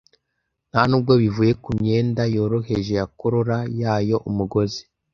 ntanubwo bivuye kumyenda yoroheje ya corolla yayo umugozi